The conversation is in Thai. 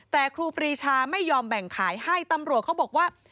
แต่ครูปรีชาไม่ยอมแบ่งขายให้ตำรวจเขาบอกว่า